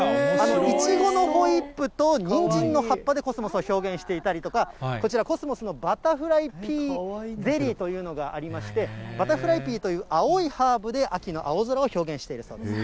イチゴのホイップと、ニンジンの葉っぱでコスモスを表現していたりとか、こちら、コスモスのバタフライピーゼリーというのがありまして、バタフライピーという青いハーブで秋の青空を表現しているそうです。